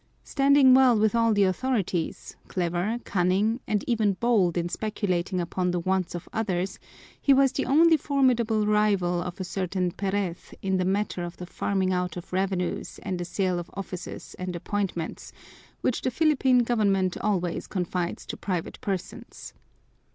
Standing well with all the authorities, clever, cunning, and even bold in speculating upon the wants of others, he was the only formidable rival of a certain Perez in the matter of the farming out of revenues and the sale of offices and appointments, which the Philippine government always confides to private persons.